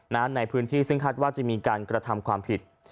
ในพื้นที่ซึ่งคาดว่าจะมีการกระทำความผิด